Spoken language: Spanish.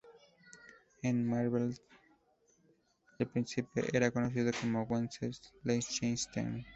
En Malvern, el príncipe era conocido como "Wenzel Liechtenstein".